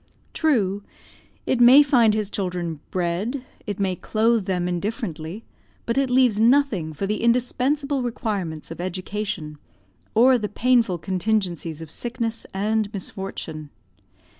True, it may find his children bread, it may clothe them indifferently, but it leaves nothing for the indispensable requirements of education, or the painful contingencies of sickness and misfortune.